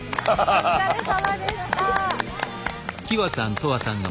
お疲れさまでした。